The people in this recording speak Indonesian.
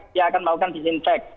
dia akan melakukan disinfek